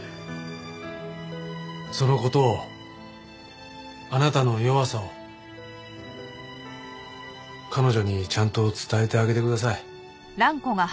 その事をあなたの弱さを彼女にちゃんと伝えてあげてください。